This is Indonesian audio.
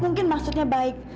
mungkin maksudnya baik